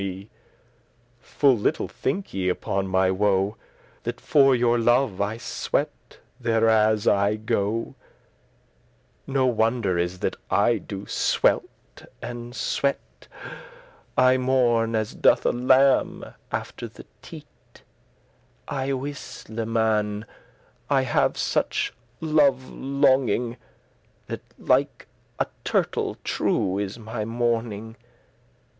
*mistress Full little thinke ye upon my woe, That for your love I sweat *there as* I go. *wherever No wonder is that I do swelt* and sweat. *faint I mourn as doth a lamb after the teat Y wis*, leman, I have such love longing, *certainly That like a turtle* true is my mourning.